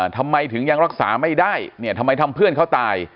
ทำไมถึงยังรักษาไม่ได้เนี่ยทำไมทำเพื่อนเขาตาย